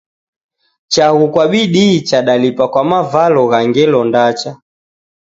Chaghu kwa bidii chadalipa kwa mavalo gha ngelo ndacha.